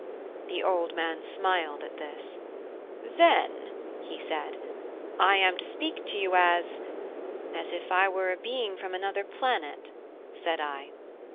The old man smiled at this. "Then," said he, "I am to speak to you as " "As if I were a being from another planet," said I.